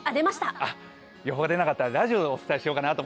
予報が出なかったら、ラジオでお伝えしようかなと